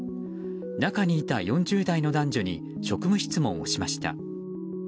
中にいた４０代の男女に職務質問をしました。